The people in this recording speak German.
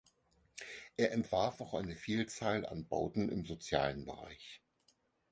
Er entwarf auch eine Vielzahl an Bauten im sozialen Bereich.